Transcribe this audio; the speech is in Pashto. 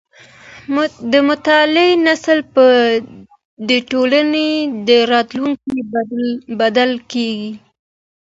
د مطالعې نسل به د ټولني راتلونکی بدل کړي.